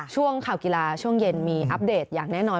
ช่วงอะไรในคำเกียลาช่วงเย็นมีอัปเดตอย่างแน่น้อย